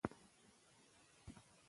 د نجونو زده کړې باید لومړیتوب وګرځي.